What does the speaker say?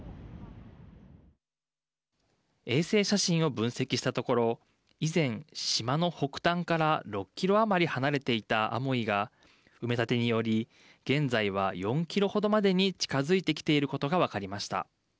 衛星写真を分析したところ以前、島の北端から６キロ余り離れていたアモイが埋め立てにより現在は４キロ程までに近づいてきていることが分かりました。